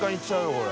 これ。